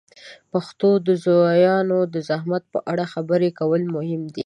د پښتو د زویانو د زحمت په اړه خبرې کول مهم دي.